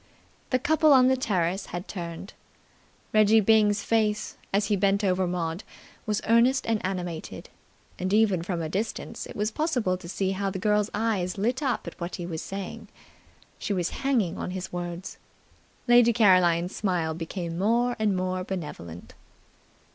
The couple on the terrace had turned. Reggie Byng's face, as he bent over Maud, was earnest and animated, and even from a distance it was possible to see how the girl's eyes lit up at what he was saying. She was hanging on his words. Lady Caroline's smile became more and more benevolent.